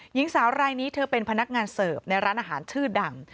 หญิงสาวรายนี้เธอเป็นพนักงานเสิร์ฟในร้านอาหารชื่อดัง